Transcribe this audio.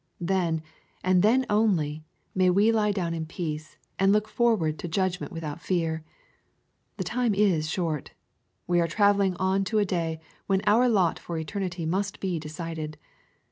Then, and then only, may we lie down in peace, and look forward to judgment without fear. The time is short. We are travelling on to a day when our lot for eternity must be decided.